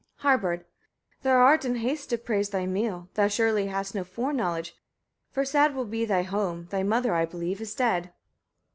Harbard. 4. Thou art in haste to praise thy meal: thou surely hast no foreknowledge; for sad will be thy home: thy mother, I believe, is dead.